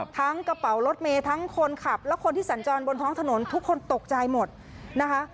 กระเป๋ารถเมย์ทั้งคนขับและคนที่สัญจรบนท้องถนนทุกคนตกใจหมดนะคะ